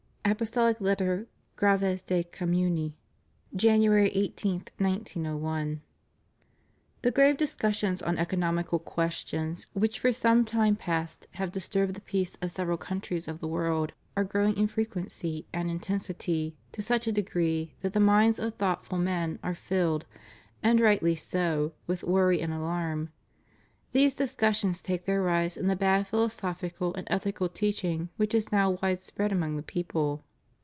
Apostolic Letter Graves de Communi, January IB. 1901. The grave discussions on economical questions which for some time past have disturbed the peace of several countries of the world are growing in frequency and in tensity to such a degree that the minds of thoughtful men are filled, and rightly so, with worry and alarm. These discussions take their rise in the bad philosophical and ethical teaching which is now widespread among the people.